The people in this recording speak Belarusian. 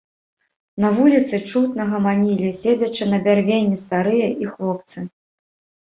На вуліцы, чутна, гаманілі, седзячы на бярвенні, старыя і хлопцы.